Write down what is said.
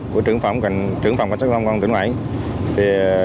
tôi chỉ đạo của trưởng phòng cảnh sát giao thông công an tỉnh quảng ngãi